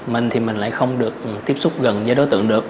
mình thì mình lại không được tiếp xúc gần với đối tượng được